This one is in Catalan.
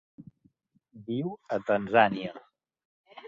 Viu a Tanzània.